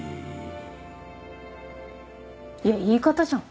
いや言い方じゃん。